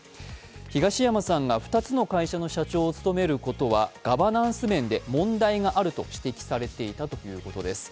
東山さんが２つの会社の社長と務めることはガバナンス面で問題があると指摘されていたということです。